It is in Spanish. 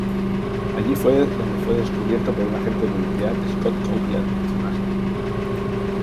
Allí fue donde fue descubierto por un agente de publicidad de Scott Copeland International.